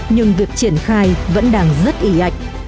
nhưng việc triển khai vẫn đang rất y ạch